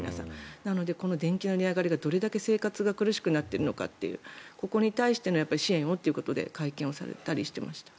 なので、この電気代の値上がりがどれだけ生活が苦しくなっているのかというここに対しての支援をということで会見をされたりしていました。